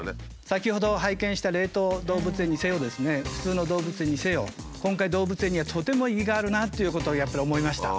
先ほど拝見した冷凍動物園にせよ普通の動物園にせよ今回動物園にはとても意義があるなあっていうことをやっぱり思いました。